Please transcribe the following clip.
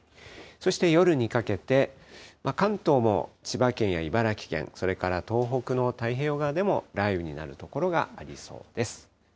そして、夜にかけて、関東も千葉県や茨城県、それから東北の太平洋側でも雷雨になる所がありそうです。